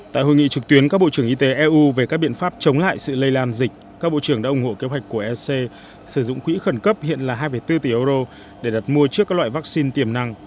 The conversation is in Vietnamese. tại hội nghị trực tuyến các bộ trưởng y tế eu về các biện pháp chống lại sự lây lan dịch các bộ trưởng đã ủng hộ kế hoạch của ec sử dụng quỹ khẩn cấp hiện là hai bốn tỷ euro để đặt mua trước các loại vaccine tiềm năng